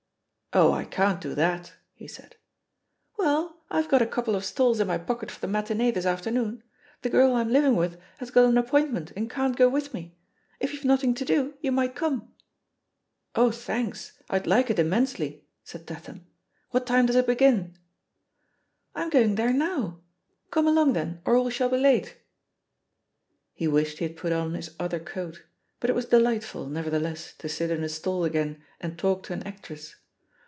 "Oh, I can't do that,'* he said. "Well, I've got a couple of stalls in my pocket for the matinee this afternoon. The girl I'm living with has got an appointment and can't go with me. If you've nothing to do, you might come." €tt 'Oh, thanks ; I'd like it immensely," said Tat ham. *What time does it begin?" "I'm going there now. Come along, then, or we shall be late." m THE POSITION OF PEGGY HARPER He wished he had put on his other coat; \mi it was delightful, nevertheless, to sit in a stall again and talk to an actress.